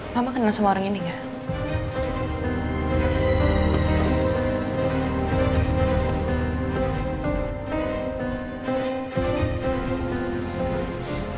mama kenal semua orang ini gak